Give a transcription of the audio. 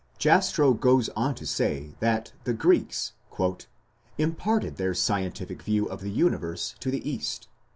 Jastrow goes on to say that the Greeks "imparted their scientific view of the Universe to the East.